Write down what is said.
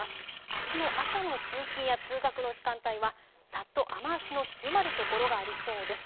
あすの朝の通勤や通学の時間帯はざっと雨足の強まる所がありそうです。